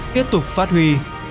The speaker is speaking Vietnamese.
tiếp tục phát huy